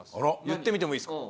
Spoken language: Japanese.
言ってみてもいいですか？